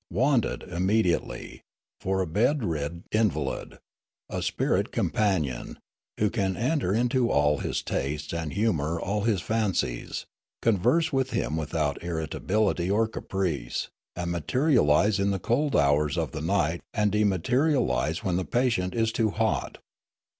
' Wanted, immediately, for a bed rid invalid, a spirit companion, who can enter into all his tastes and humour all his fancies, converse with him without irritability or caprice, and materialise in the cold hours of the night and dematerialise when the patient is too hot.